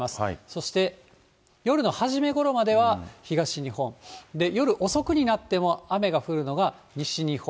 そして、夜の初めごろまでは、東日本、夜遅くになっても雨が降るのが西日本。